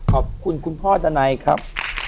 ขอบคุณคุณพ่อดันัยครับ